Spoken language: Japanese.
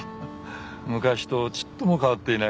昔とちっとも変わっていない。